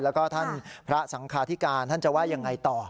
แล้วก็ท่านพระสังคาธิการท่านจะว่ายังไงต่อ